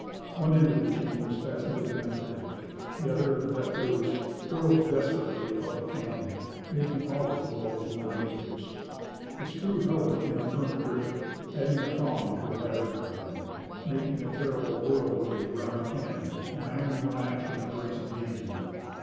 One end of the chain was fastened to the gun carriage. The other, left loose, whirled desperately about the cannon, making all its blows more dangerous. The screw held it in a firm grip, adding a thong to a battering ram, making a terrible whirlwind around the cannon, an iron lash in a brazen hand.